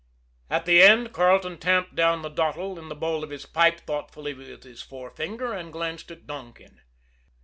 At the end, Carleton tamped down the dottle in the bowl of his pipe thoughtfully with his forefinger and glanced at Donkin.